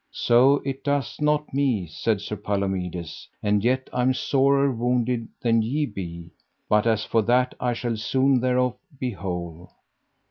So it doth not me, said Sir Palomides, and yet am I sorer wounded than ye be; but as for that I shall soon thereof be whole.